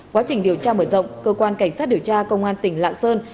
quá trình điều tra mở rộng cơ quan cảnh sát điều tra công an tỉnh lạng sơn